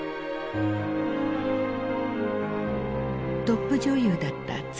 トップ女優だった妻